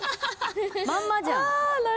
まんまじゃん。